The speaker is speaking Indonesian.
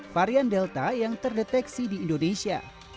varian delta yang terdeteksi di indonesia